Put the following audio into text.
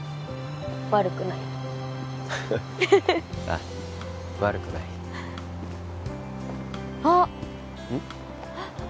悪くないああ悪くないあっうん？